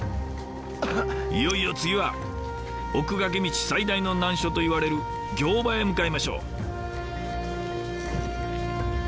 いよいよ次は奥駈道最大の難所といわれる行場へ向かいましょう。